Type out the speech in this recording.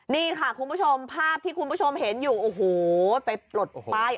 นี่ค่ะคุณผู้ชมภาพที่คุณผู้ชมเห็นอยู่โอ้โหไปปลดป้าย